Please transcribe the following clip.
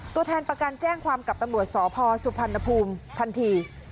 ตัวแทนประกันแจ้งความกับตำรวจสพสุพรรณภูมิทันที